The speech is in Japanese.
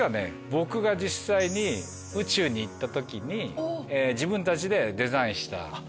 僕が実際に宇宙に行った時に自分たちでデザインした。